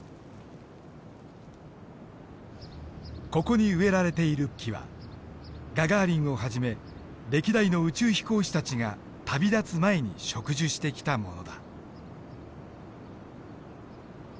ここに植えられている木はガガーリンをはじめ歴代の宇宙飛行士たちが旅立つ前に植樹してきたものだ。